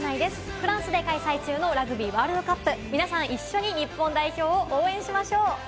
フランスで開催中のラグビーワールドカップ、皆さん一緒に日本代表を応援しましょう。